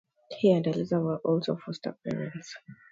He and Eliza were also foster parents.